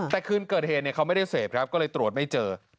แต่คืนเกิดเหตุเขาไม่ได้เสพครับก็เลยตรวจไม่เจอ